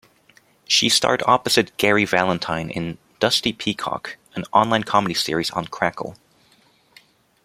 She starred opposite Gary Valentine in "Dusty Peacock", an online comedy series on Crackle.